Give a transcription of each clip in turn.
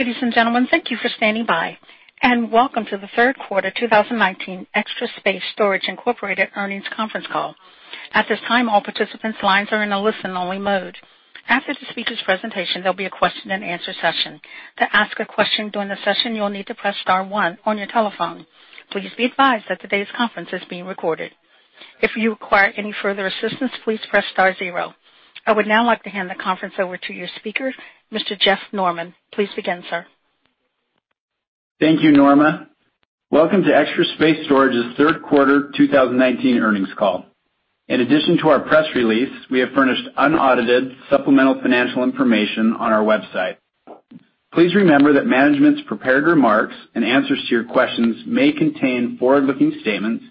Ladies and gentlemen, thank you for standing by, and welcome to the third quarter 2019 Extra Space Storage Inc. Earnings conference call. At this time, all participants' lines are in a listen-only mode. After the speakers' presentation, there'll be a question and answer session. To ask a question during the session, you'll need to press star one on your telephone. Please be advised that today's conference is being recorded. If you require any further assistance, please press star zero. I would now like to hand the conference over to your speaker, Mr. Jeff Norman. Please begin, sir. Thank you, Norma. Welcome to Extra Space Storage's third quarter 2019 earnings call. In addition to our press release, we have furnished unaudited supplemental financial information on our website. Please remember that management's prepared remarks and answers to your questions may contain forward-looking statements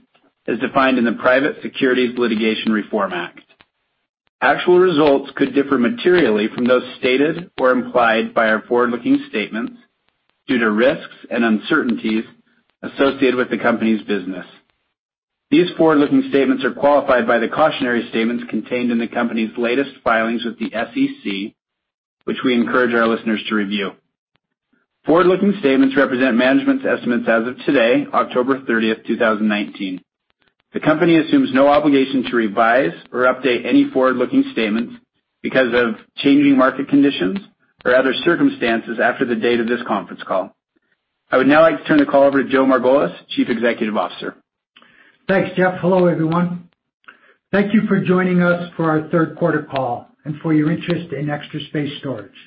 as defined in the Private Securities Litigation Reform Act. Actual results could differ materially from those stated or implied by our forward-looking statements due to risks and uncertainties associated with the company's business. These forward-looking statements are qualified by the cautionary statements contained in the company's latest filings with the SEC, which we encourage our listeners to review. Forward-looking statements represent management's estimates as of today, October 30th, 2019. The company assumes no obligation to revise or update any forward-looking statements because of changing market conditions or other circumstances after the date of this conference call. I would now like to turn the call over to Joe Margolis, Chief Executive Officer. Thanks, Jeff. Hello, everyone. Thank you for joining us for our third quarter call and for your interest in Extra Space Storage.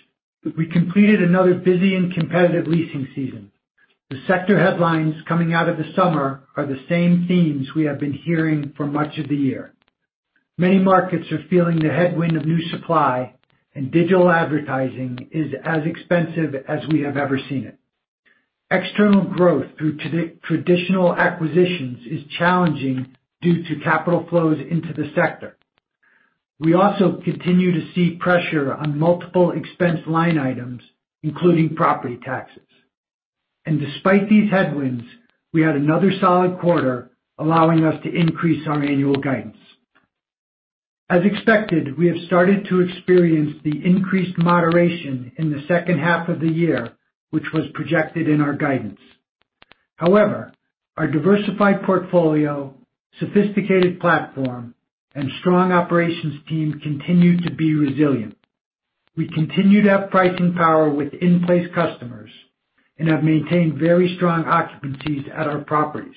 We completed another busy and competitive leasing season. The sector headlines coming out of the summer are the same themes we have been hearing for much of the year. Many markets are feeling the headwind of new supply, and digital advertising is as expensive as we have ever seen it. External growth through traditional acquisitions is challenging due to capital flows into the sector. We also continue to see pressure on multiple expense line items, including property taxes. Despite these headwinds, we had another solid quarter, allowing us to increase our annual guidance. As expected, we have started to experience the increased moderation in the second half of the year, which was projected in our guidance. Our diversified portfolio, sophisticated platform, and strong operations team continued to be resilient. We continue to have pricing power with in-place customers and have maintained very strong occupancies at our properties.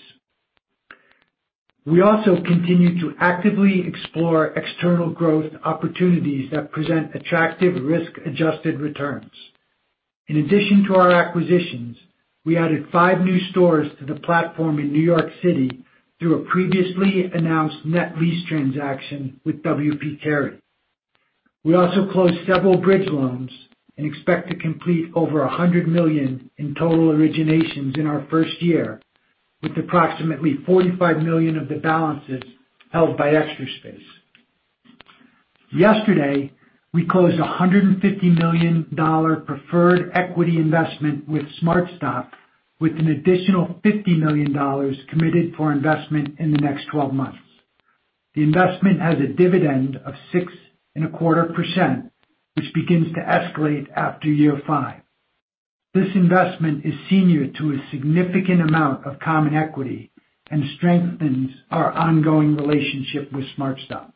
We also continue to actively explore external growth opportunities that present attractive risk-adjusted returns. In addition to our acquisitions, we added five new stores to the platform in New York City through a previously announced net lease transaction with W. P. Carey. We also closed several bridge loans and expect to complete over $100 million in total originations in our first year, with approximately $45 million of the balances held by Extra Space. Yesterday, we closed $150 million preferred equity investment with SmartStop, with an additional $50 million committed for investment in the next 12 months. The investment has a dividend of 6.25%, which begins to escalate after year five. This investment is senior to a significant amount of common equity and strengthens our ongoing relationship with SmartStop.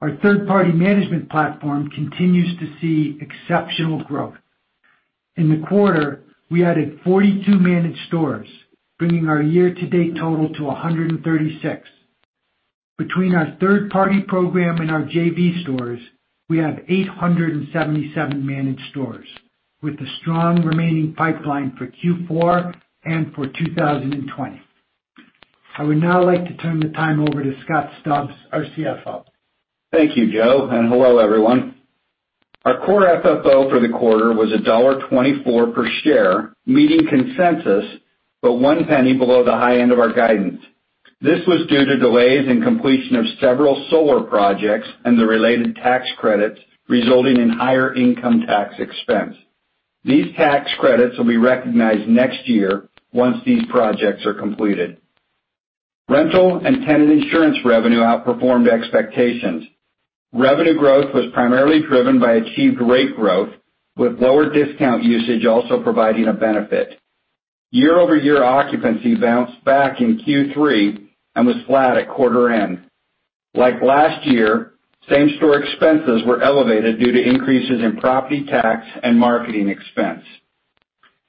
Our third-party management platform continues to see exceptional growth. In the quarter, we added 42 managed stores, bringing our year-to-date total to 136. Between our third-party program and our JV stores, we have 877 managed stores, with a strong remaining pipeline for Q4 and for 2020. I would now like to turn the time over to Scott Stubbs, our CFO. Thank you, Joe, Hello, everyone. Our core FFO for the quarter was $1.24 per share, meeting consensus, one penny below the high end of our guidance. This was due to delays in completion of several solar projects and the related tax credits, resulting in higher income tax expense. These tax credits will be recognized next year once these projects are completed. Rental and tenant insurance revenue outperformed expectations. Revenue growth was primarily driven by achieved rate growth, with lower discount usage also providing a benefit. Year-over-year occupancy bounced back in Q3 was flat at quarter end. Like last year, same-store expenses were elevated due to increases in property tax and marketing expense.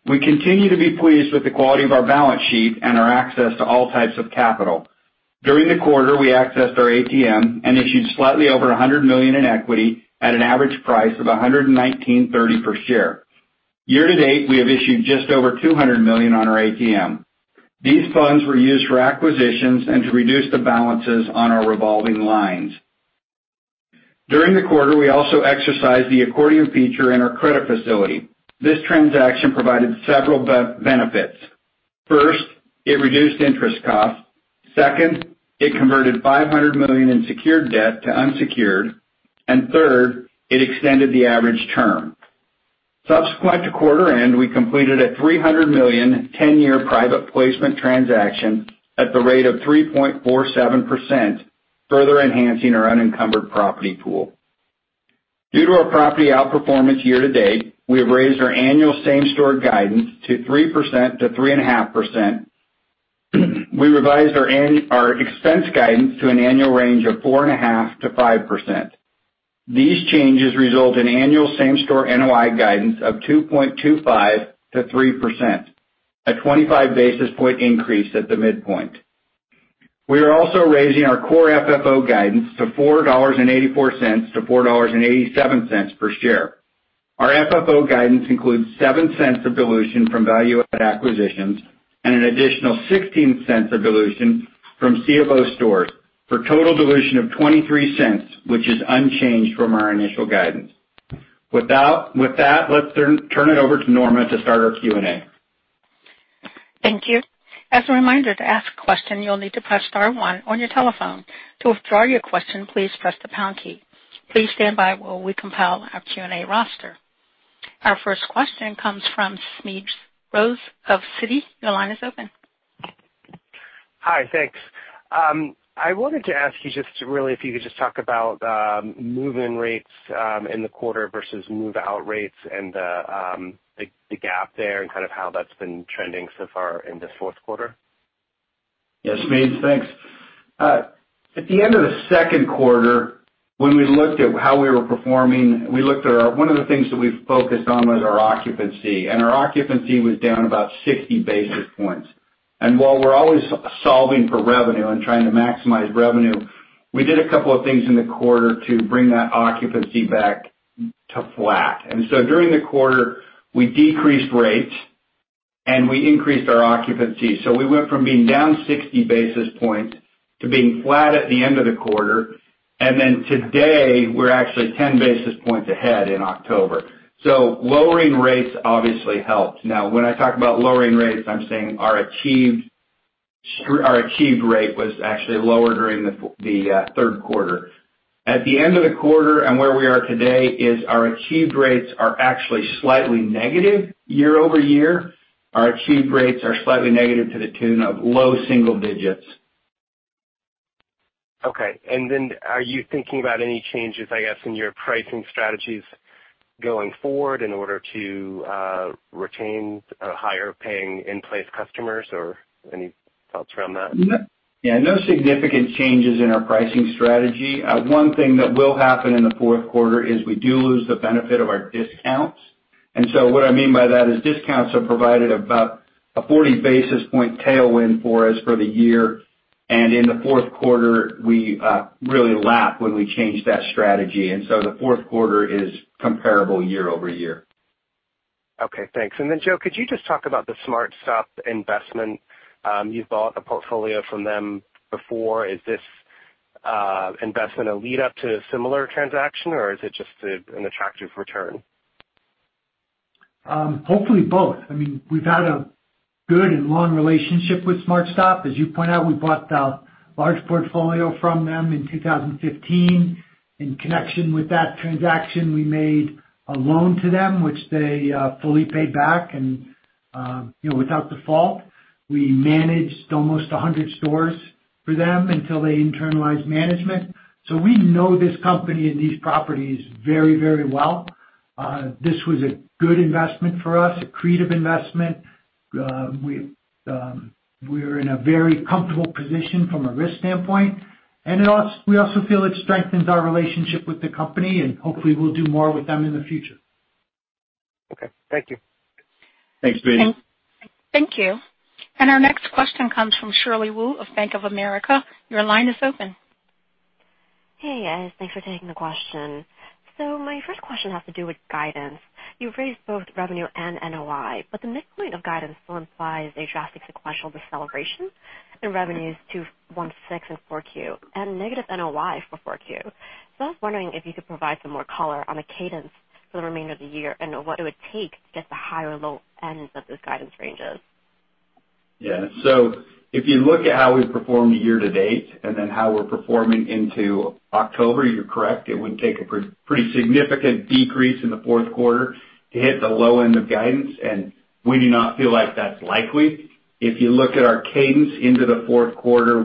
We continue to be pleased with the quality of our balance sheet and our access to all types of capital. During the quarter, we accessed our ATM and issued slightly over $100 million in equity at an average price of $119.30 per share. Year to date, we have issued just over $200 million on our ATM. These funds were used for acquisitions and to reduce the balances on our revolving lines. During the quarter, we also exercised the accordion feature in our credit facility. This transaction provided several benefits. First, it reduced interest costs. Second, it converted $500 million in secured debt to unsecured. Third, it extended the average term. Subsequent to quarter end, we completed a $300 million, 10-year private placement transaction at the rate of 3.47%, further enhancing our unencumbered property pool. Due to our property outperformance year to date, we have raised our annual same-store guidance to 3%-3.5%. We revised our expense guidance to an annual range of 4.5%-5%. These changes result in annual same-store NOI guidance of 2.25% to 3%, a 25 basis point increase at the midpoint. We are also raising our core FFO guidance to $4.84 to $4.87 per share. Our FFO guidance includes $0.07 of dilution from value-add acquisitions and an additional $0.16 of dilution from CFO stores for a total dilution of $0.23, which is unchanged from our initial guidance. With that, let's turn it over to Norma to start our Q&A. Thank you. As a reminder, to ask a question, you'll need to press star one on your telephone. To withdraw your question, please press the pound key. Please stand by while we compile our Q&A roster. Our first question comes from Smedes Rose of Citi. Your line is open. Hi, thanks. I wanted to ask you just really if you could just talk about move-in rates in the quarter versus move-out rates and the gap there and kind of how that's been trending so far in this fourth quarter. Yes, Smedes, thanks. At the end of the second quarter, when we looked at how we were performing, one of the things that we focused on was our occupancy, and our occupancy was down about 60 basis points. While we're always solving for revenue and trying to maximize revenue, we did a couple of things in the quarter to bring that occupancy back to flat. During the quarter, we decreased rates, and we increased our occupancy. We went from being down 60 basis points to being flat at the end of the quarter. Today, we're actually 10 basis points ahead in October. Lowering rates obviously helped. Now, when I talk about lowering rates, I'm saying our achieved rate was actually lower during the third quarter. At the end of the quarter and where we are today is our achieved rates are actually slightly negative year-over-year. Our achieved rates are slightly negative to the tune of low single digits. Okay, are you thinking about any changes, I guess, in your pricing strategies going forward in order to retain higher-paying in-place customers or any thoughts around that? No significant changes in our pricing strategy. One thing that will happen in the fourth quarter is we do lose the benefit of our discounts. What I mean by that is discounts have provided about a 40 basis point tailwind for us for the year, and in the fourth quarter, we really lap when we change that strategy. The fourth quarter is comparable year-over-year. Okay, thanks. Joe, could you just talk about the SmartStop investment? You've bought a portfolio from them before. Is this investment a lead up to a similar transaction, or is it just an attractive return? Hopefully both. We've had a good and long relationship with SmartStop. As you point out, we bought the large portfolio from them in 2015. In connection with that transaction, we made a loan to them, which they fully paid back and without default. We managed almost 100 stores for them until they internalized management. We know this company and these properties very, very well. This was a good investment for us, accretive investment. We're in a very comfortable position from a risk standpoint. We also feel it strengthens our relationship with the company, and hopefully we'll do more with them in the future. Okay. Thank you. Thanks, Smedes. Thank you. Our next question comes from Shirley Wu of Bank of America. Your line is open. Hey, guys. Thanks for taking the question. My first question has to do with guidance. You've raised both revenue and NOI, the midpoint of guidance still implies a drastic sequential deceleration in revenues to 1.6% in 4Q and negative NOI for 4Q. I was wondering if you could provide some more color on the cadence for the remainder of the year and what it would take to get the higher low ends of those guidance ranges. Yeah. If you look at how we've performed year to date and then how we're performing into October, you're correct. It would take a pretty significant decrease in the fourth quarter to hit the low end of guidance, and we do not feel like that's likely. If you look at our cadence into the fourth quarter,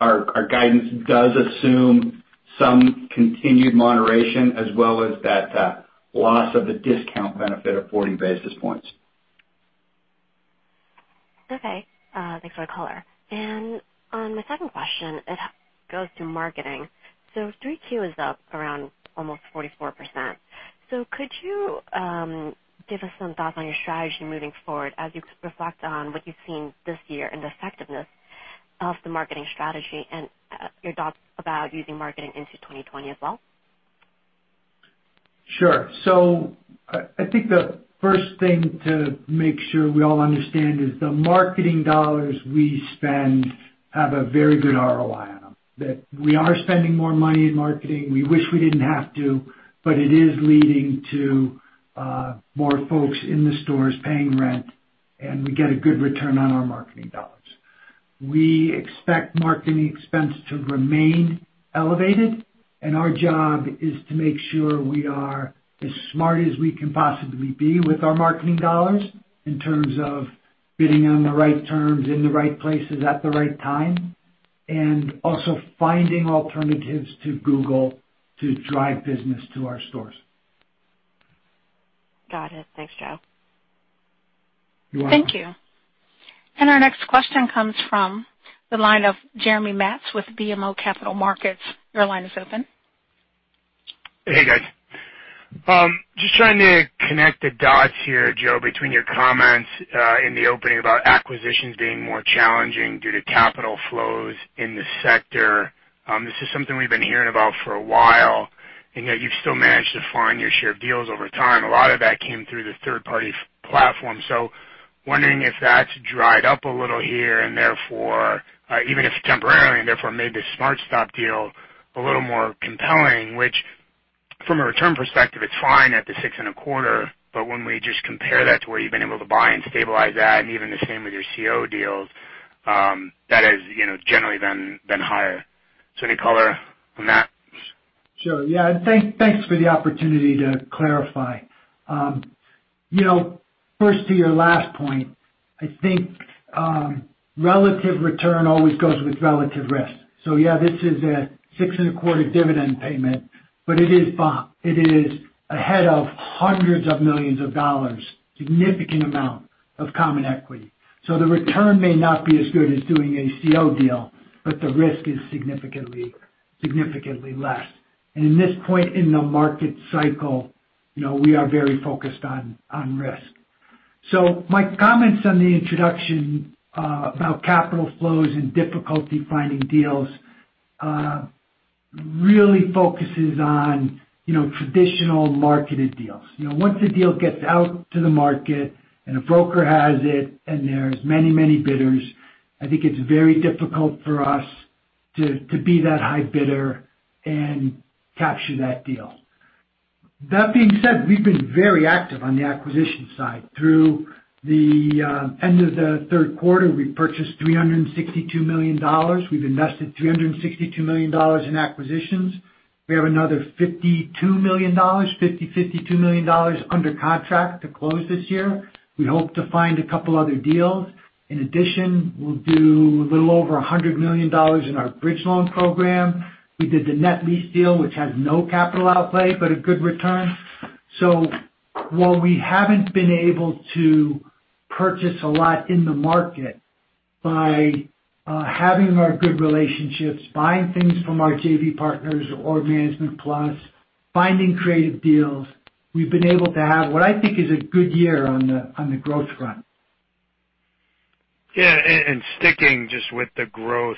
our guidance does assume some continued moderation as well as that loss of the discount benefit of 40 basis points. Okay. Thanks for the color. My second question, it goes to marketing. 3Q is up around almost 44%. Could you give us some thoughts on your strategy moving forward as you reflect on what you've seen this year and the effectiveness of the marketing strategy and your thoughts about using marketing into 2020 as well? Sure. I think the first thing to make sure we all understand is the marketing dollars we spend have a very good ROI on them. That we are spending more money in marketing, we wish we didn't have to, but it is leading to more folks in the stores paying rent, and we get a good return on our marketing dollars. We expect marketing expense to remain elevated. Our job is to make sure we are as smart as we can possibly be with our marketing dollars in terms of bidding on the right terms, in the right places, at the right time, and also finding alternatives to Google to drive business to our stores. Got it. Thanks, Joe. You're welcome. Thank you. Our next question comes from the line of Jeremy Metz with BMO Capital Markets. Your line is open. Hey, guys. Just trying to connect the dots here, Joe, between your comments in the opening about acquisitions being more challenging due to capital flows in the sector. This is something we've been hearing about for a while, and yet you've still managed to find your share of deals over time. A lot of that came through the third-party platform. Wondering if that's dried up a little here and therefore, even if temporarily, made the SmartStop deal a little more compelling, which from a return perspective, it's fine at the six and a quarter, but when we just compare that to where you've been able to buy and stabilize that, and even the same with your CO deals, that has generally been higher. Any color on that? Sure. Thanks for the opportunity to clarify. First to your last point, I think, relative return always goes with relative risk. Yeah, this is a 6.25% dividend payment, but it is ahead of hundreds of millions of dollars, significant amount of common equity. The return may not be as good as doing a CO deal, but the risk is significantly less. In this point in the market cycle, we are very focused on risk. My comments on the introduction, about capital flows and difficulty finding deals, really focuses on traditional marketed deals. Once a deal gets out to the market and a broker has it and there's many bidders, I think it's very difficult for us to be that high bidder and capture that deal. That being said, we've been very active on the acquisition side. Through the end of the third quarter, we purchased $362 million. We've invested $362 million in acquisitions. We have another $52 million under contract to close this year. We hope to find a couple other deals. In addition, we'll do a little over $100 million in our bridge loan program. We did the net lease deal, which has no capital outlay, but a good return. While we haven't been able to purchase a lot in the market, by having our good relationships, buying things from our JV partners or ManagementPlus, finding creative deals, we've been able to have what I think is a good year on the growth front. Yeah, sticking just with the growth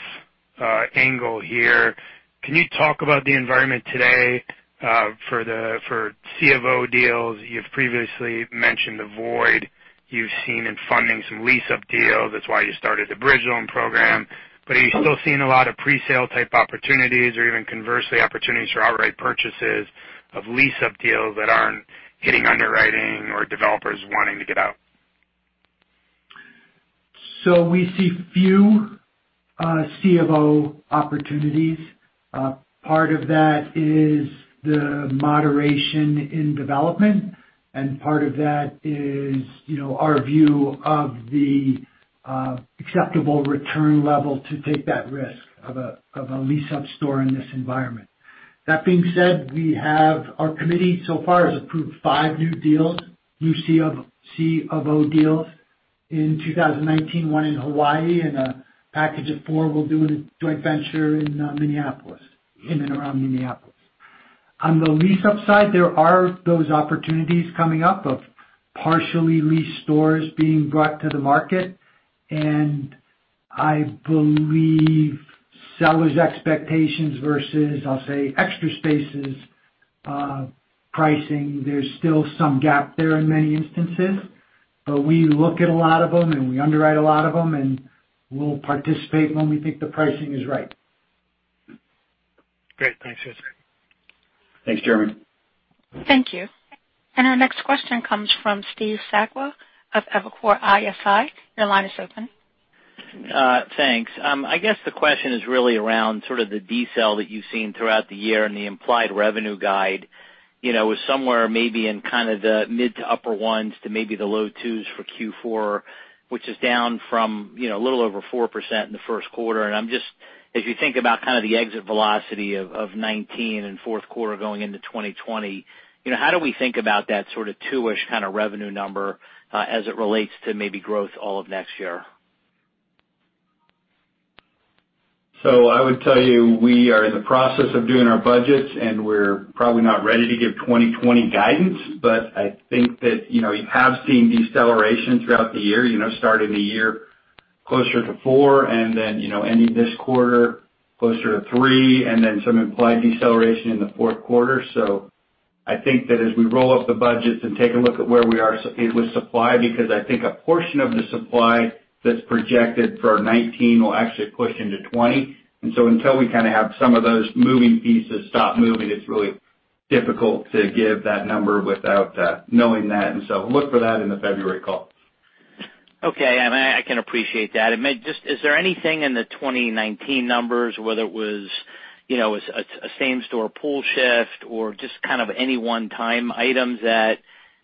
angle here, can you talk about the environment today, for CFO deals? You've previously mentioned the void you've seen in funding some lease-up deals. That's why you started the bridge loan program. But are you still seeing a lot of pre-sale type opportunities or even conversely, opportunities for outright purchases of lease-up deals that aren't hitting underwriting or developers wanting to get out? We see few CFO opportunities. Part of that is the moderation in development, and part of that is our view of the acceptable return level to take that risk of a lease-up store in this environment. That being said, our committee so far has approved five new deals, new CFO deals in 2019, one in Hawaii, and a package of four we're doing a joint venture in Minneapolis, in and around Minneapolis. On the lease-up side, there are those opportunities coming up of partially leased stores being brought to the market, and I believe sellers' expectations versus, I'll say, Extra Space's pricing, there's still some gap there in many instances. We look at a lot of them, and we underwrite a lot of them, and we'll participate when we think the pricing is right. Great. Thanks. Thanks, Jeremy. Thank you. Our next question comes from Steve Sakwa of Evercore ISI. Your line is open. Thanks. I guess the question is really around sort of the decel that you've seen throughout the year and the implied revenue guide, was somewhere maybe in kind of the mid to upper ones to maybe the low twos for Q4, which is down from a little over 4% in the first quarter. As you think about kind of the exit velocity of 2019 and fourth quarter going into 2020, how do we think about that sort of two-ish kind of revenue number, as it relates to maybe growth all of next year? I would tell you, we are in the process of doing our budgets, and we're probably not ready to give 2020 guidance. I think that you have seen deceleration throughout the year, starting the year closer to four and then ending this quarter closer to three, and then some implied deceleration in the fourth quarter. I think that as we roll up the budgets and take a look at where we are with supply, because I think a portion of the supply that's projected for 2019 will actually push into 2020. Until we kind of have some of those moving pieces stop moving, it's really difficult to give that number without knowing that. Look for that in the February call. Okay. I can appreciate that. Just, is there anything in the 2019 numbers, whether it was a same-store pull shift or just kind of any one-time items that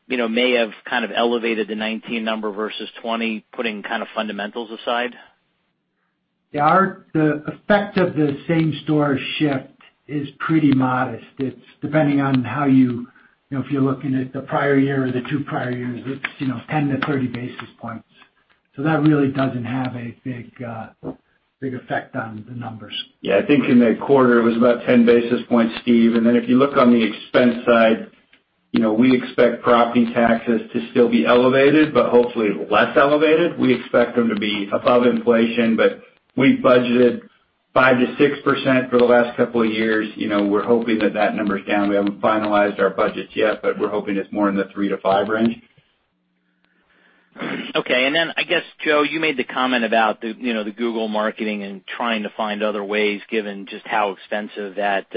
may have kind of elevated the 2019 number versus 2020, putting kind of fundamentals aside? Yeah. The effect of the same-store shift is pretty modest. It's depending on if you're looking at the prior year or the two prior years, it's 10 to 30 basis points. That really doesn't have a big effect on the numbers. Yeah. I think in that quarter it was about 10 basis points, Steve. If you look on the expense side, we expect property taxes to still be elevated, but hopefully less elevated. We expect them to be above inflation, but we budgeted 5% to 6% for the last couple of years. We're hoping that that number's down. We haven't finalized our budgets yet, but we're hoping it's more in the 3% to 5% range. Okay. Then, I guess, Joe, you made the comment about the Google marketing and trying to find other ways given just how expensive that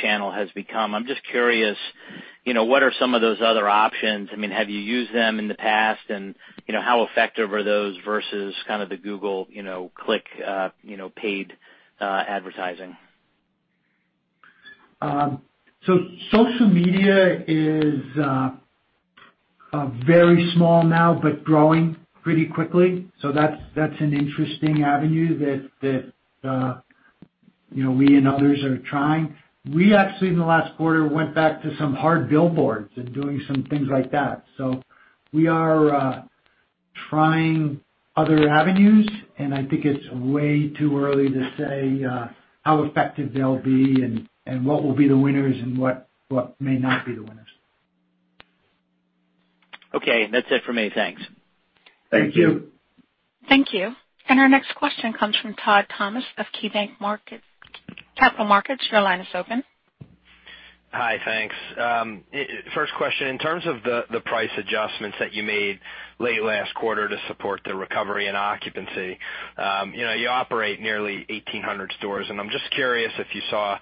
channel has become. I'm just curious, what are some of those other options? Have you used them in the past? How effective are those versus kind of the Google Click paid advertising? Social media is very small now, but growing pretty quickly. That's an interesting avenue that we and others are trying. We actually, in the last quarter, went back to some hard billboards and doing some things like that. We are trying other avenues, and I think it's way too early to say how effective they'll be and what will be the winners and what may not be the winners. Okay. That's it for me. Thanks. Thank you. Thank you. Thank you. Our next question comes from Todd Thomas of KeyBanc Capital Markets. Your line is open. Hi. Thanks. First question, in terms of the price adjustments that you made late last quarter to support the recovery and occupancy, you operate nearly 1,800 stores. I'm just curious if you saw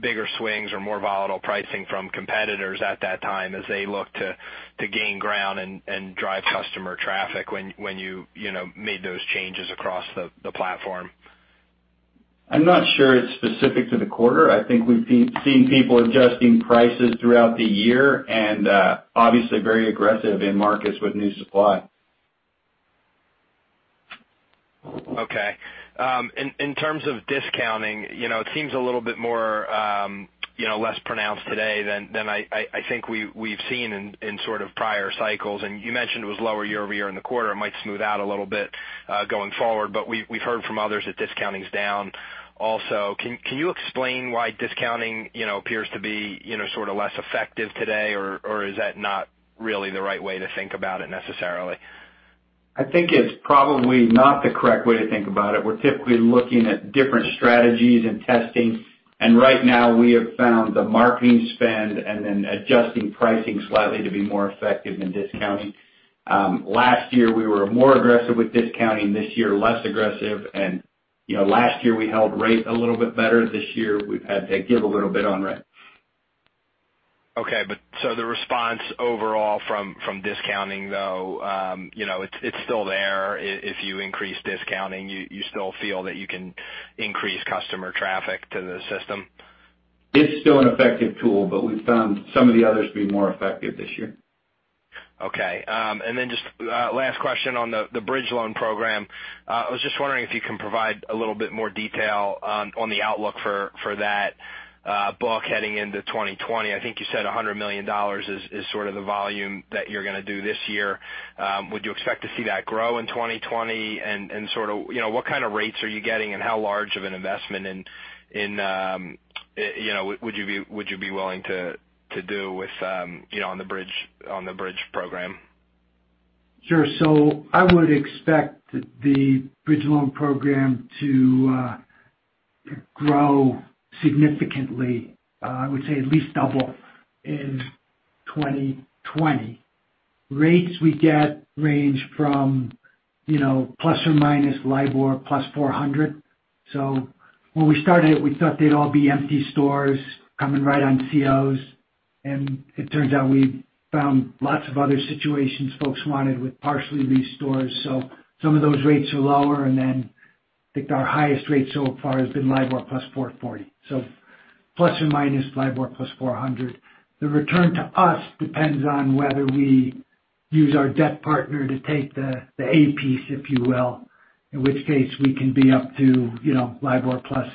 bigger swings or more volatile pricing from competitors at that time as they look to gain ground and drive customer traffic when you made those changes across the platform? I'm not sure it's specific to the quarter. I think we've seen people adjusting prices throughout the year and, obviously very aggressive in markets with new supply. Okay. In terms of discounting, it seems a little bit more less pronounced today than I think we've seen in sort of prior cycles. You mentioned it was lower year-over-year in the quarter. It might smooth out a little bit, going forward. We've heard from others that discounting is down also. Can you explain why discounting appears to be sort of less effective today, or is that not really the right way to think about it necessarily? I think it's probably not the correct way to think about it. We're typically looking at different strategies and testing. Right now we have found the marketing spend and then adjusting pricing slightly to be more effective than discounting. Last year we were more aggressive with discounting, this year less aggressive. Last year we held rate a little bit better. This year we've had to give a little bit on rent. Okay. The response overall from discounting, though, it's still there. If you increase discounting, you still feel that you can increase customer traffic to the system? It's still an effective tool, but we've found some of the others to be more effective this year. Okay. Just last question on the bridge loan program. I was just wondering if you can provide a little bit more detail on the outlook for that book heading into 2020. I think you said $100 million is sort of the volume that you're gonna do this year. Would you expect to see that grow in 2020? Sort of what kind of rates are you getting and how large of an investment would you be willing to do on the bridge program? Sure. I would expect the bridge loan program to grow significantly, I would say at least double in 2020. Rates we get range from ±LIBOR plus 400. When we started, we thought they'd all be empty stores coming right on COs. It turns out we found lots of other situations folks wanted with partially leased stores. Some of those rates are lower. I think our highest rate so far has been LIBOR plus 440. ±LIBOR plus 400. The return to us depends on whether we use our debt partner to take the A piece, if you will, in which case we can be up to LIBOR plus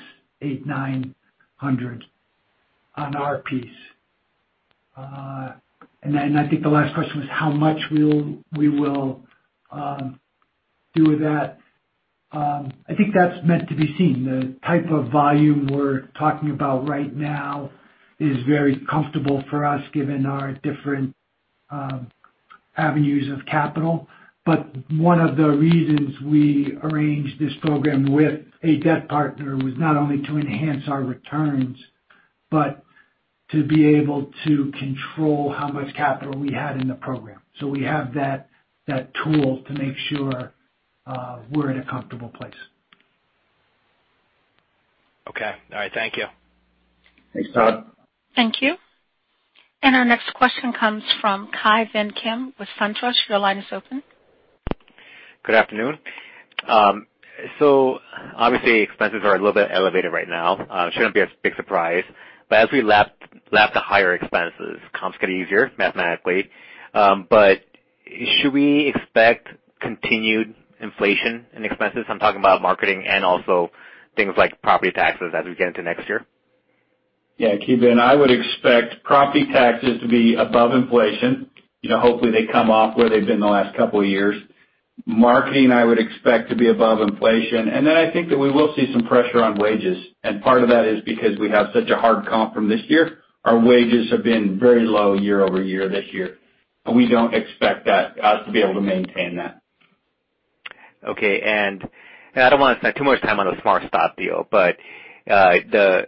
800-900 on our piece. I think the last question was how much we will do with that. I think that's meant to be seen. The type of volume we're talking about right now is very comfortable for us given our different avenues of capital. One of the reasons we arranged this program with a debt partner was not only to enhance our returns, but to be able to control how much capital we had in the program. We have that tool to make sure we're in a comfortable place. Okay. All right. Thank you. Thanks, Todd. Thank you. Our next question comes from Ki Bin Kim with Truist. Your line is open. Good afternoon. Obviously expenses are a little bit elevated right now. Shouldn't be a big surprise, as we lap the higher expenses, comps get easier mathematically. Should we expect continued inflation in expenses? I'm talking about marketing and also things like property taxes as we get into next year. Yeah, Ki Bin Kim, I would expect property taxes to be above inflation. Hopefully they come off where they've been the last couple of years. Marketing, I would expect to be above inflation. Then I think that we will see some pressure on wages, and part of that is because we have such a hard comp from this year. Our wages have been very low year-over-year this year, and we don't expect us to be able to maintain that. Okay. I don't want to spend too much time on the SmartStop deal, the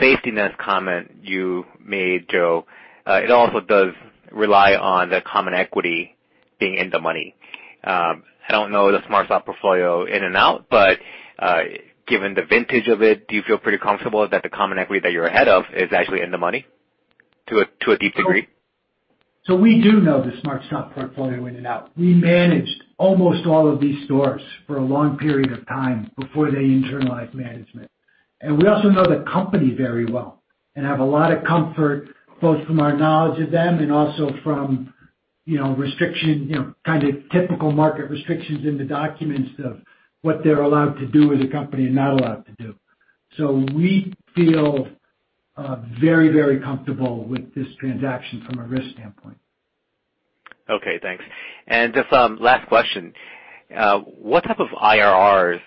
safety net comment you made, Joe, it also does rely on the common equity being in the money. I don't know the SmartStop portfolio in and out, given the vintage of it, do you feel pretty comfortable that the common equity that you're ahead of is actually in the money to a deep degree? We do know the SmartStop portfolio in and out. We managed almost all of these stores for a long period of time before they internalized management. We also know the company very well and have a lot of comfort, both from our knowledge of them and also from restriction, kind of typical market restrictions in the documents of what they're allowed to do as a company and not allowed to do. We feel very comfortable with this transaction from a risk standpoint. Okay, thanks. Just last question, what type of IRRs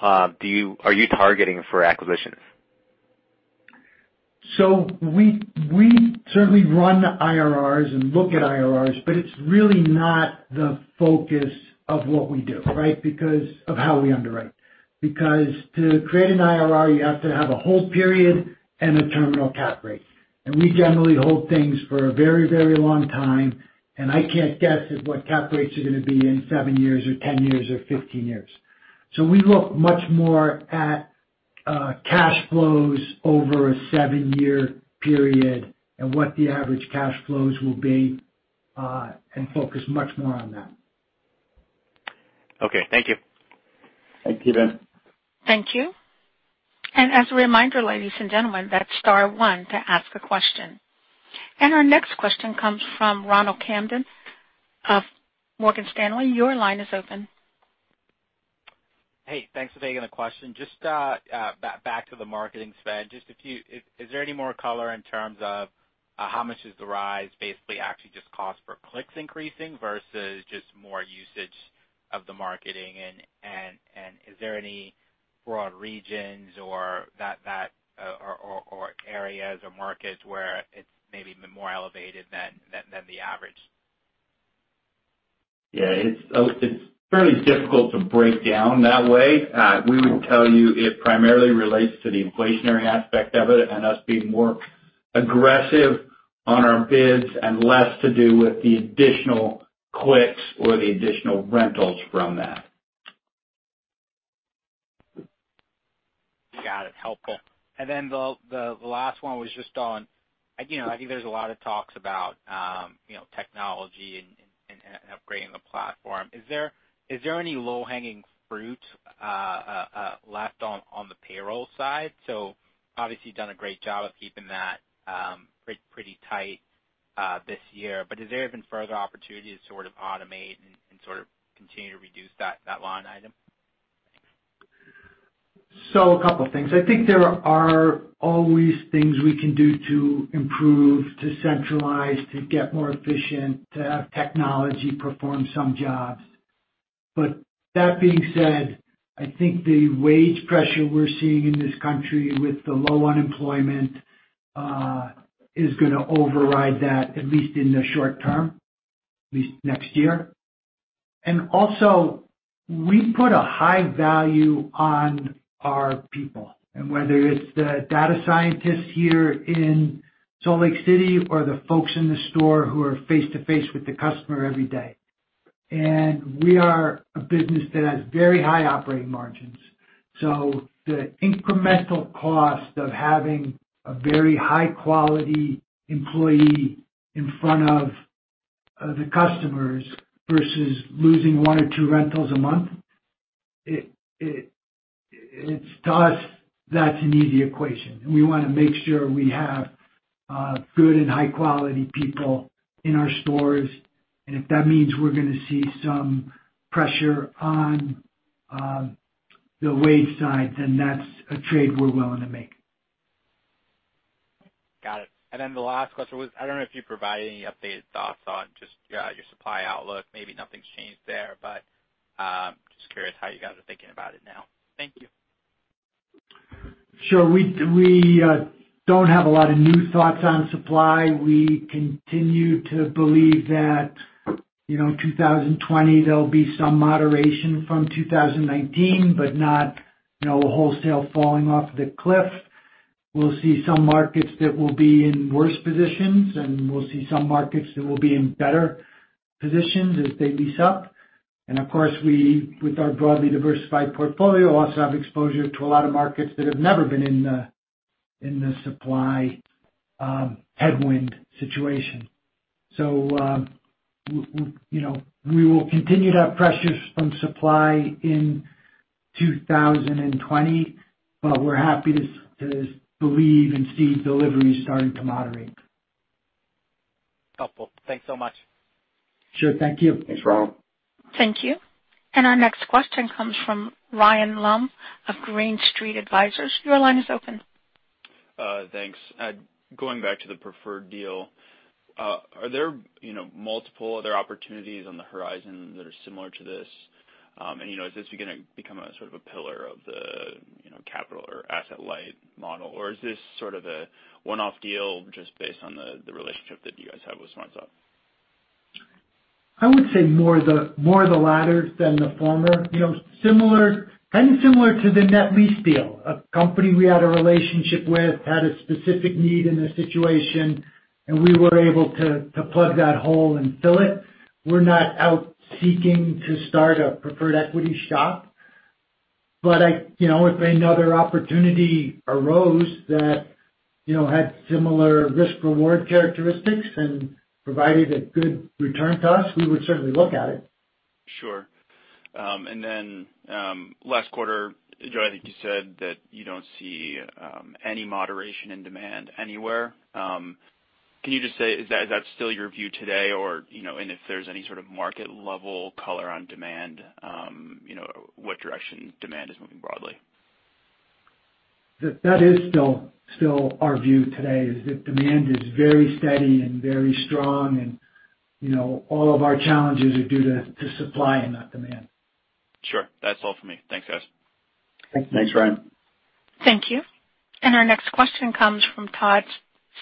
are you targeting for acquisitions? We certainly run IRRs and look at IRRs, but it's really not the focus of what we do, right? Because of how we underwrite. Because to create an IRR, you have to have a hold period and a terminal cap rate. We generally hold things for a very long time, and I can't guess at what cap rates are going to be in seven years or 10 years or 15 years. We look much more at cash flows over a seven-year period and what the average cash flows will be, and focus much more on that. Okay, thank you. Thank you. Thank you. As a reminder, ladies and gentlemen, that's star 1 to ask a question. Our next question comes from Ronald Kamdem of Morgan Stanley. Your line is open. Hey, thanks for taking the question. Just back to the marketing spend, is there any more color in terms of how much is the rise, basically actually just cost per clicks increasing versus just more usage of the marketing? Is there any broad regions or areas or markets where it's maybe more elevated than the average? Yeah, it's fairly difficult to break down that way. We would tell you it primarily relates to the inflationary aspect of it and us being more aggressive on our bids and less to do with the additional clicks or the additional rentals from that. Got it. Helpful. Then the last one was just on, I think there's a lot of talks about technology and upgrading the platform. Is there any low-hanging fruit left on the payroll side? Obviously you've done a great job of keeping that pretty tight this year, but has there been further opportunity to sort of automate and sort of continue to reduce that line item? A couple things. I think there are always things we can do to improve, to centralize, to get more efficient, to have technology perform some jobs. That being said, I think the wage pressure we're seeing in this country with the low unemployment, is going to override that, at least in the short term, at least next year. Also, we put a high value on our people. Whether it's the data scientists here in Salt Lake City or the folks in the store who are face-to-face with the customer every day. We are a business that has very high operating margins. The incremental cost of having a very high-quality employee in front of the customers versus losing one or two rentals a month, to us, that's an easy equation, and we want to make sure we have good and high-quality people in our stores. If that means we're going to see some pressure on the wage side, then that's a trade we're willing to make. Got it. The last question was, I don't know if you provide any updated thoughts on just your supply outlook. Maybe nothing's changed there, but just curious how you guys are thinking about it now. Thank you. Sure. We don't have a lot of new thoughts on supply. We continue to believe that 2020, there'll be some moderation from 2019, but not wholesale falling off the cliff. We'll see some markets that will be in worse positions, and we'll see some markets that will be in better positions as they lease up. Of course, with our broadly diversified portfolio, also have exposure to a lot of markets that have never been in the supply headwind situation. We will continue to have pressures from supply in 2020, but we're happy to believe and see deliveries starting to moderate. Helpful. Thanks so much. Sure. Thank you. Thanks, Ronald. Thank you. Our next question comes from Ryan Lumb of Green Street Advisors. Your line is open. Thanks. Going back to the preferred deal, are there multiple other opportunities on the horizon that are similar to this? Is this going to become a sort of a pillar of the capital or asset-light model, or is this sort of a one-off deal just based on the relationship that you guys have with SmartStop? I would say more of the latter than the former. Kind of similar to the net lease deal. A company we had a relationship with had a specific need in a situation, and we were able to plug that hole and fill it. We're not out seeking to start a preferred equity shop, but if another opportunity arose that had similar risk-reward characteristics and provided a good return to us, we would certainly look at it. Sure. Last quarter, Joe, I think you said that you don't see any moderation in demand anywhere. Can you just say, is that still your view today? If there's any sort of market-level color on demand, what direction demand is moving broadly? That is still our view today, is that demand is very steady and very strong and all of our challenges are due to supply and not demand. Sure. That's all for me. Thanks, guys. Thanks. Thanks, Ryan. Thank you. Our next question comes from Todd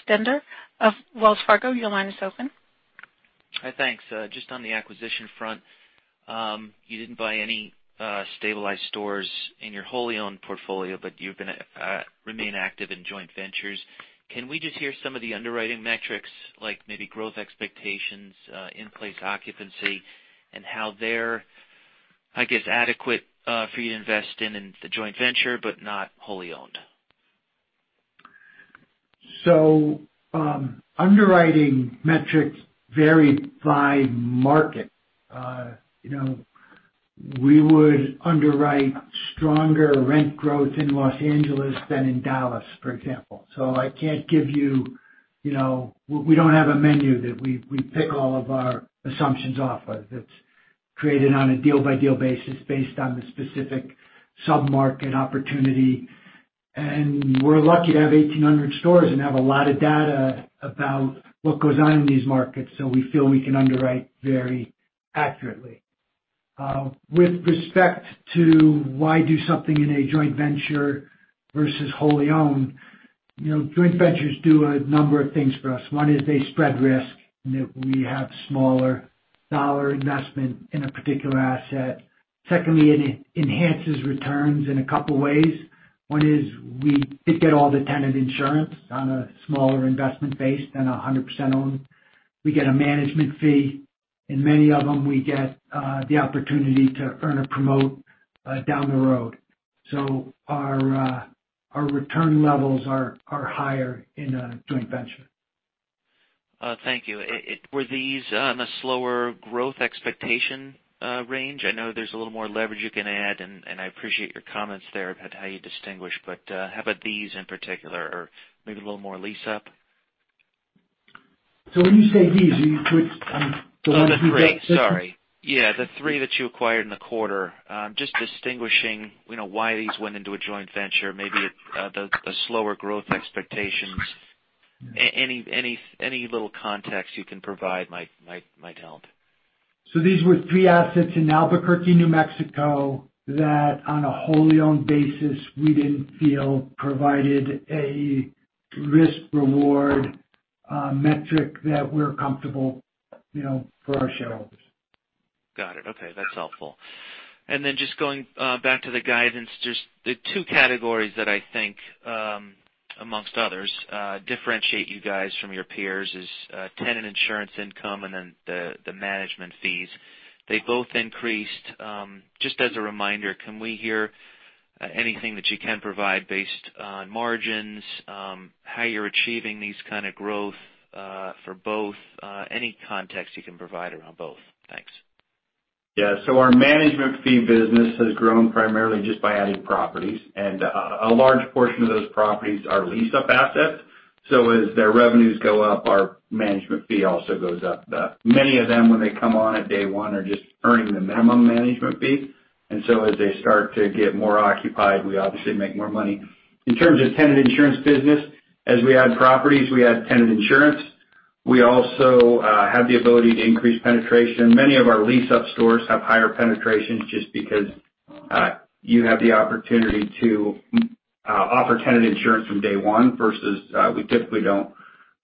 Stender of Wells Fargo. Your line is open. Hi. Thanks. Just on the acquisition front, you didn't buy any stabilized stores in your wholly-owned portfolio, but you've been remain active in joint ventures. Can we just hear some of the underwriting metrics, like maybe growth expectations, in-place occupancy, and how they're, I guess, adequate for you to invest in the joint venture, but not wholly owned? Underwriting metrics vary by market. We would underwrite stronger rent growth in Los Angeles than in Dallas, for example. I can't give you, we don't have a menu that we pick all of our assumptions off of. It's created on a deal-by-deal basis based on the specific sub-market opportunity. We're lucky to have 1,800 stores and have a lot of data about what goes on in these markets, so we feel we can underwrite very accurately. With respect to why do something in a joint venture versus wholly owned, joint ventures do a number of things for us. One is they spread risk, and that we have smaller dollar investment in a particular asset. Secondly, it enhances returns in a couple of ways. One is we get all the tenant insurance on a smaller investment base than 100% owned. We get a management fee. In many of them, we get the opportunity to earn a promote down the road. Our return levels are higher in a joint venture. Thank you. Were these on a slower growth expectation range? I know there's a little more leverage you can add, and I appreciate your comments there about how you distinguish, but how about these in particular? Maybe a little more lease up? When you say these, are you referring to the last three assets? Sorry. The three that you acquired in the quarter. Just distinguishing why these went into a joint venture. Maybe a slower growth expectations. Any little context you can provide might help. These were three assets in Albuquerque, New Mexico, that on a wholly-owned basis, we didn't feel provided a risk-reward metric that we're comfortable for our shareholders. Got it. Okay, that's helpful. Just going back to the guidance, just the two categories that I think, amongst others, differentiate you guys from your peers is tenant insurance income and then the management fees. They both increased. Just as a reminder, can we hear anything that you can provide based on margins, how you're achieving these kind of growth for both? Any context you can provide around both. Thanks. Yeah. Our management fee business has grown primarily just by adding properties, and a large portion of those properties are lease-up assets. As their revenues go up, our management fee also goes up. Many of them, when they come on at day one, are just earning the minimum management fee. As they start to get more occupied, we obviously make more money. In terms of tenant insurance business, as we add properties, we add tenant insurance. We also have the ability to increase penetration. Many of our lease-up stores have higher penetration just because you have the opportunity to offer tenant insurance from day one versus, we typically don't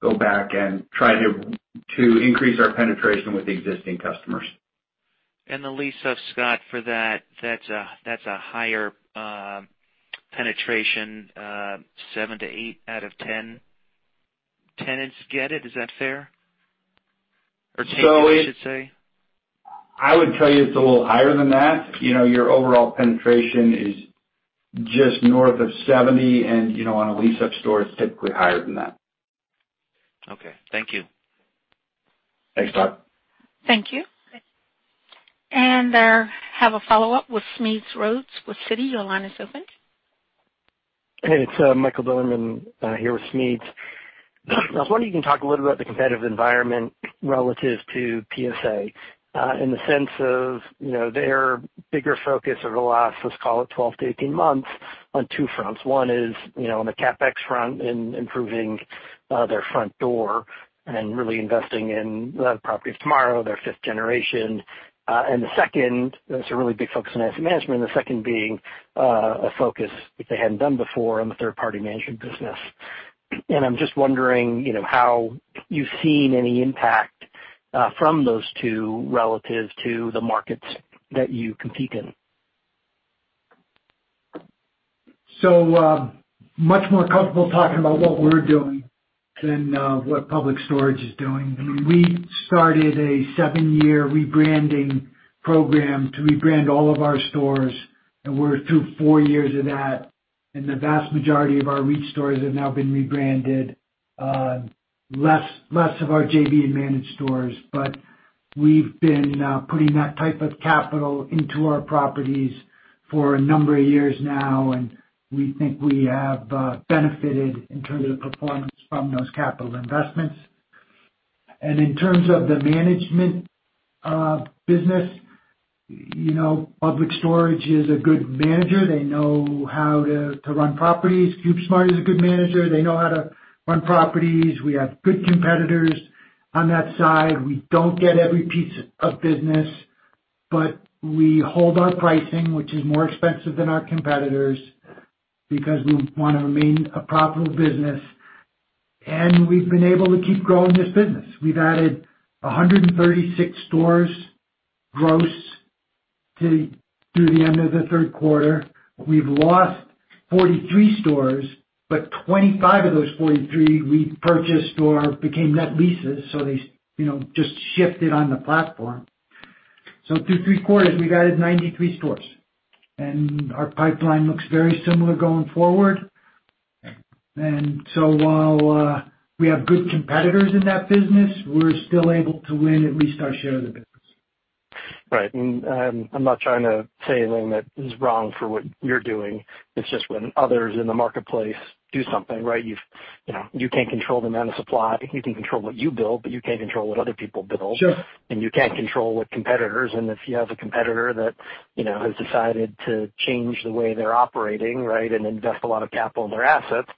go back and try to increase our penetration with existing customers. The lease-up, Scott, for that's a higher penetration. Seven to eight out of 10 tenants get it. Is that fair? Take it, I should say. I would tell you it's a little higher than that. Your overall penetration is just north of 70, and on a lease-up store, it's typically higher than that. Okay. Thank you. Thanks, Todd. Thank you. There, have a follow-up with Smedes Rose with Citi. Your line is open. Hey, it's Michael Billerman here with Smedes. I was wondering if you can talk a little about the competitive environment relative to PSA, in the sense of their bigger focus over the last, let's call it 12 to 18 months on two fronts. One is, on the CapEx front and improving their front door and really investing in Properties of Tomorrow, their fifth generation. The second, that's a really big focus in asset management, the second being a focus, which they hadn't done before on the third-party management business. I'm just wondering how you've seen any impact from those two relative to the markets that you compete in. Much more comfortable talking about what we're doing than what Public Storage is doing. We started a seven-year rebranding program to rebrand all of our stores, and we're through four years of that, and the vast majority of our REIT stores have now been rebranded. Less of our JV and managed stores. We've been putting that type of capital into our properties for a number of years now, and we think we have benefited in terms of performance from those capital investments. In terms of the management business, Public Storage is a good manager. They know how to run properties. CubeSmart is a good manager. They know how to run properties. We have good competitors on that side. We don't get every piece of business, but we hold our pricing, which is more expensive than our competitors, because we want to remain a profitable business. We've been able to keep growing this business. We've added 136 stores gross through the end of the third quarter. We've lost 43 stores, but 25 of those 43 repurchased or became net leases, so they just shifted on the platform. Through three quarters, we've added 93 stores. Our pipeline looks very similar going forward. While we have good competitors in that business, we're still able to win at least our share of the business. Right. I'm not trying to say anything that is wrong for what you're doing. It's just when others in the marketplace do something, right? You can't control the amount of supply. You can control what you build, you can't control what other people build. Sure. You can't control what competitors, and if you have a competitor that has decided to change the way they're operating, right, and invest a lot of capital in their assets,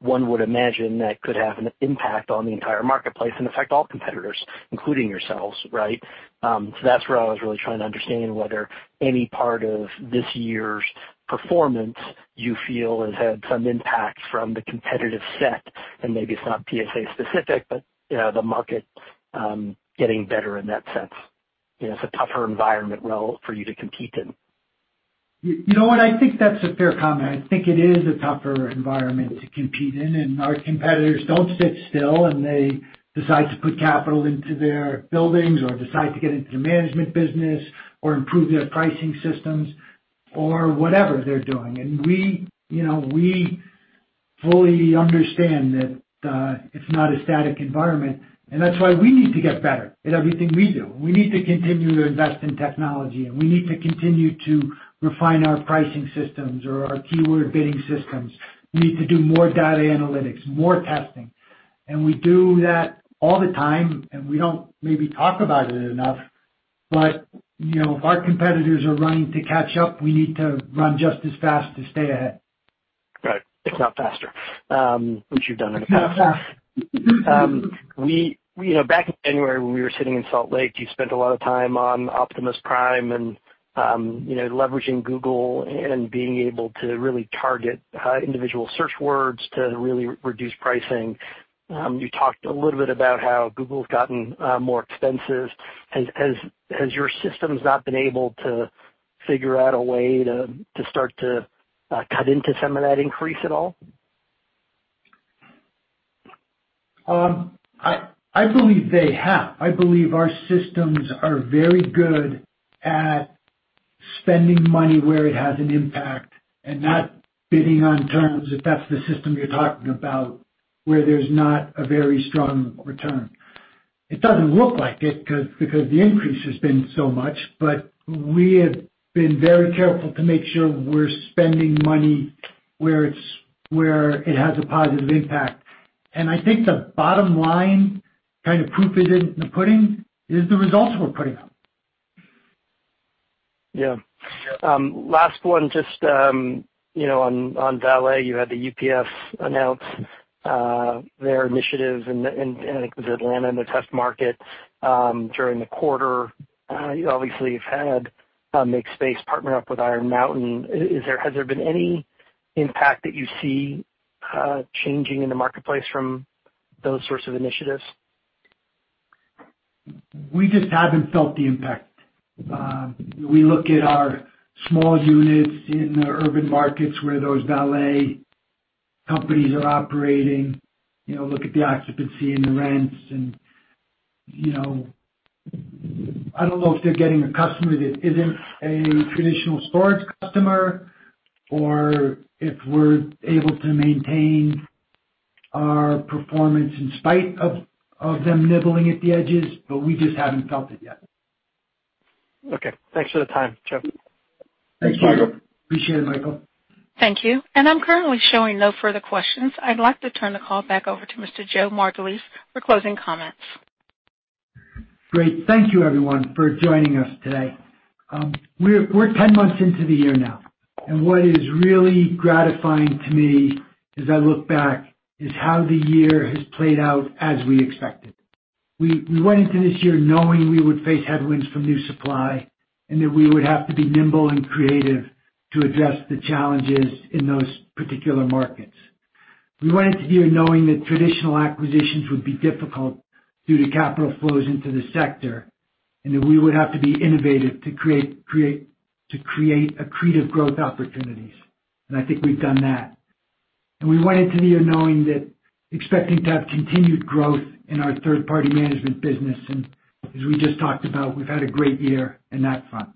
one would imagine that could have an impact on the entire marketplace and affect all competitors, including yourselves, right? That's where I was really trying to understand whether any part of this year's performance you feel has had some impact from the competitive set, and maybe it's not PSA specific, but the market getting better in that sense. It's a tougher environment for you to compete in. You know what? I think that's a fair comment. I think it is a tougher environment to compete in. Our competitors don't sit still, and they decide to put capital into their buildings or decide to get into the management business or improve their pricing systems or whatever they're doing. We fully understand that it's not a static environment, and that's why we need to get better at everything we do. We need to continue to invest in technology, and we need to continue to refine our pricing systems or our keyword bidding systems. We need to do more data analytics, more testing. We do that all the time, and we don't maybe talk about it enough, but if our competitors are running to catch up, we need to run just as fast to stay ahead. Right. If not faster, which you've done in the past. If not faster. Back in January, when we were sitting in Salt Lake, you spent a lot of time on Optimus Prime and leveraging Google and being able to really target individual search words to really reduce pricing. You talked a little bit about how Google's gotten more expensive. Has your systems not been able to figure out a way to start to cut into some of that increase at all? I believe they have. I believe our systems are very good at spending money where it has an impact and not bidding on terms, if that's the system you're talking about, where there's not a very strong return. It doesn't look like it because the increase has been so much. We have been very careful to make sure we're spending money where it has a positive impact. I think the bottom line, kind of proof it in the pudding, is the results we're putting out. Yeah. Last one, just on valet, you had the UPS announce their initiative in, I think it was Atlanta, in the test market during the quarter. You obviously have had MakeSpace partner up with Iron Mountain. Has there been any impact that you see changing in the marketplace from those sorts of initiatives? We just haven't felt the impact. We look at our small units in the urban markets where those valet companies are operating, look at the occupancy and the rents. I don't know if they're getting a customer that isn't a traditional storage customer, or if we're able to maintain our performance in spite of them nibbling at the edges. We just haven't felt it yet. Okay, thanks for the time, Joe. Thank you. Thanks, Michael. Appreciate it, Michael. Thank you. I'm currently showing no further questions. I'd like to turn the call back over to Mr. Joe Margolis for closing comments. Great. Thank you everyone for joining us today. We're 10 months into the year now, and what is really gratifying to me as I look back is how the year has played out as we expected. We went into this year knowing we would face headwinds from new supply, and that we would have to be nimble and creative to address the challenges in those particular markets. We went into the year knowing that traditional acquisitions would be difficult due to capital flows into the sector, and that we would have to be innovative to create accretive growth opportunities, and I think we've done that. We went into the year knowing that expecting to have continued growth in our third-party management business, and as we just talked about, we've had a great year in that front.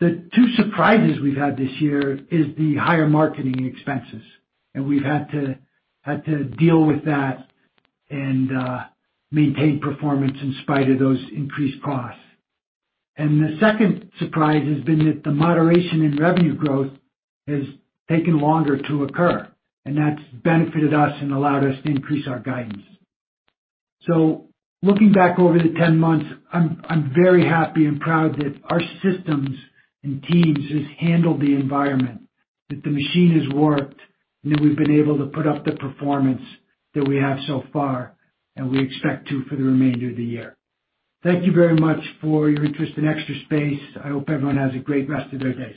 The two surprises we've had this year is the higher marketing expenses. We've had to deal with that and maintain performance in spite of those increased costs. The second surprise has been that the moderation in revenue growth has taken longer to occur, and that's benefited us and allowed us to increase our guidance. Looking back over the 10 months, I'm very happy and proud that our systems and teams just handled the environment, that the machine has worked, and that we've been able to put up the performance that we have so far, and we expect to for the remainder of the year. Thank you very much for your interest in Extra Space. I hope everyone has a great rest of their days.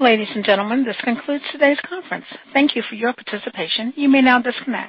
Ladies and gentlemen, this concludes today's conference. Thank you for your participation. You may now disconnect.